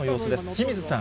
清水さん。